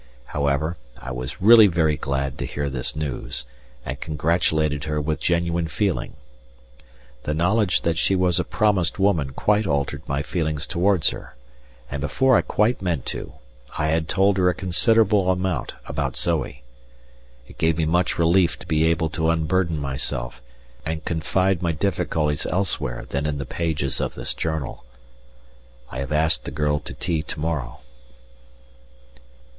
However, I was really very glad to hear this news, and congratulated her with genuine feeling. The knowledge that she was a promised woman quite altered my feelings towards her, and before I quite meant to, I had told her a considerable amount about Zoe. It gave me much relief to be able to unburden myself, and confide my difficulties elsewhere than in the pages of this journal. I have asked the girl to tea to morrow.